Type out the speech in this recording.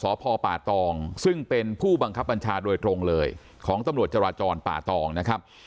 สพป่าตองซึ่งเป็นผู้บังคับบัญชาโดยตรงเลยของตำรวจจราจรป่าตองนะครับ